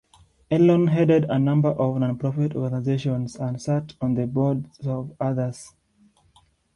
Elon headed a number of non-profit organizations, and sat on the boards of others.